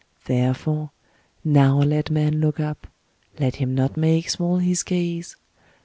Therefore, now let man look up, let him not make small his gaze.